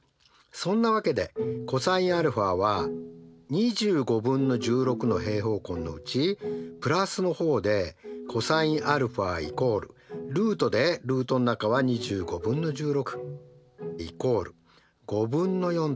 そんなわけでｃｏｓαは２５分の１６の平方根のうちプラスの方でｃｏｓα＝ルートでルートの中は２５分の１６＝５分の４となります。